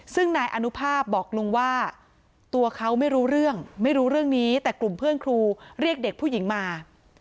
ซึ่งนายอนุภาพบอกลุงว่าตัวเขาไม่รู้เรื่องไม่รู้เรื่องนี้แต่กลุ่มเพื่อนครูเรียกเด็กผู้หญิงมา